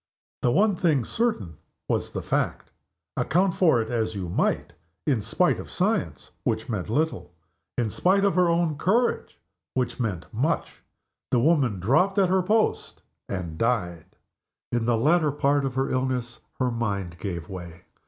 The one thing certain was the fact account for it as you might. In spite of science (which meant little), in spite of her own courage (which meant much), the woman dropped at her post and died. In the latter part of her illness her mind gave way.